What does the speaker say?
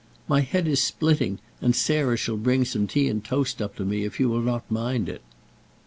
"My head is splitting, and Sarah shall bring some tea and toast up to me, if you will not mind it."